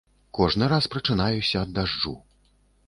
Кожны раз прачынаюся ад дажджу.